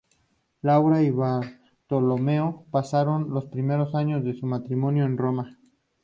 Laura y Bartolomeo pasaron los primeros años de su matrimonio en Roma.